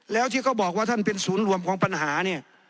แล้วที่เขาบอกว่าท่านเป็นศูนย์รวมของปัญหาเนี่ย